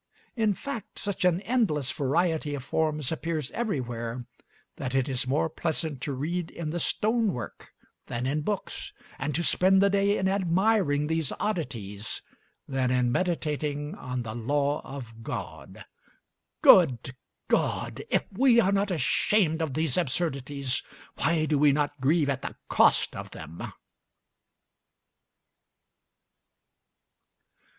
In fact, such an endless variety of forms appears everywhere, that it is more pleasant to read in the stonework than in books, and to spend the day in admiring these oddities than in meditating on the law of God. Good God! if we are not ashamed of these absurdities, why do we not grieve at the cost of them?